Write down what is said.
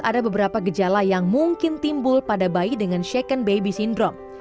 ada beberapa gejala yang mungkin timbul pada bayi dengan second baby syndrome